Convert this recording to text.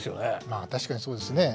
まあ確かにそうですね。